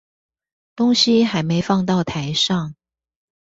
東西還沒放到台上